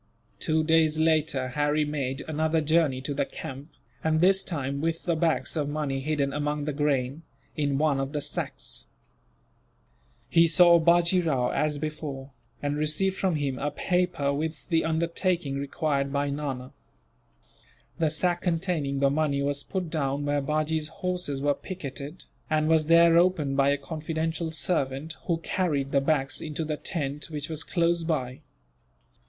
Two days later, Harry made another journey to the camp, and this time with the bags of money hidden among the grain, in one of the sacks. He saw Bajee Rao, as before, and received from him a paper, with the undertaking required by Nana. The sack containing the money was put down where Bajee's horses were picketed, and was there opened by a confidential servant, who carried the bags into the tent which was close by.